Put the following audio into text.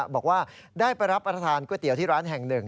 บอกว่าได้ไปรับประทานก๋วยเตี๋ยวที่ร้านแห่งหนึ่ง